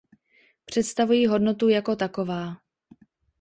Představují hodnotu jako taková.